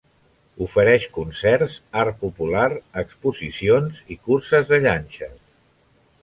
Ofereix concerts, art popular, exposicions i curses de llanxes.